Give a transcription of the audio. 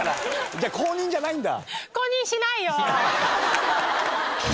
じゃあ公認じゃないんだ。